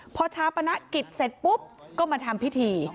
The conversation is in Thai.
พอชาปนกิจเสร็จปุ๊บก็มาทำพิธี